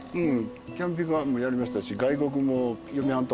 キャンピングカーもやりましたし外国も嫁はんと